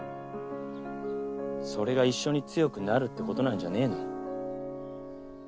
それが「一緒に強くなる」って事なんじゃねえの？